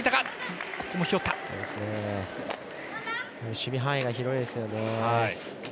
守備範囲が広いですよね。